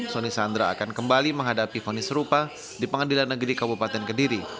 soni sandra akan kembali menghadapi fonis serupa di pengadilan negeri kabupaten kediri